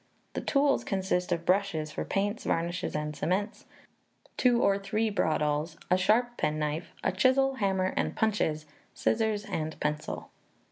The tools consist of brushes for paints, varnishes, and cements; two or three bradawls; a sharp penknife; a chisel, hammer, and punches; scissors and pencil.